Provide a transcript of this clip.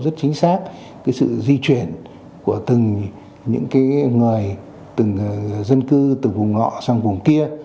rất chính xác sự di chuyển của từng dân cư từ vùng ngọ sang vùng kia